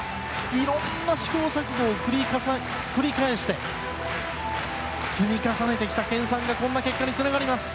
いろいろな試行錯誤を繰り返して積み重ねてきた研鑽がこんな結果につながります。